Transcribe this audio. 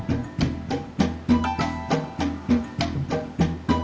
masih mereka banyak gak mau ke udara dasar